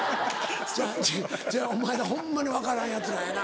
違うお前らホンマに分からんヤツらやな。